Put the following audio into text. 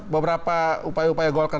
beberapa upaya upaya golkar